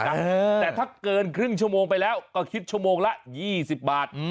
แต่ถ้าเกินครึ่งชั่วโมงไปแล้วก็คิดชั่วโมงละ๒๐บาท